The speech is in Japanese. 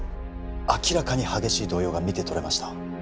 明らかに激しい動揺が見てとれました